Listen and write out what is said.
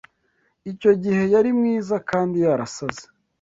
Icyo gihe yari mwiza kandi yarasaze.